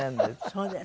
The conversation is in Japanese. そうですか。